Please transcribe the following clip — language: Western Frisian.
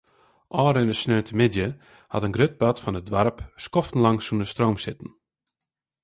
Ofrûne sneontemiddei hat in grut part fan it doarp in skoftlang sûnder stroom sitten.